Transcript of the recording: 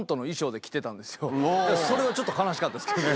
それはちょっと悲しかったですけどね。